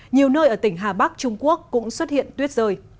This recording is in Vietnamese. nhiều nơi ở tỉnh hà bắc trung quốc cũng xuất hiện tuyết rơi